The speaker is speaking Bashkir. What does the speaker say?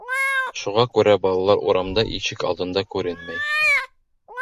Шуға күрә балалар урамда, ишек алдында күренмәй.